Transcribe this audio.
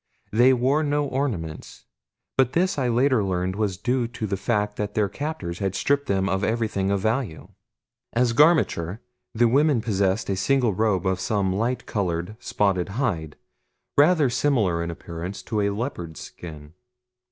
They wore no ornaments; but this I later learned was due to the fact that their captors had stripped them of everything of value. As garmenture the women possessed a single robe of some light colored, spotted hide, rather similar in appearance to a leopard's skin.